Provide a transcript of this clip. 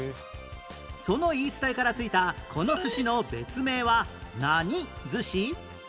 その言い伝えから付いたこの寿司の別名は何寿司？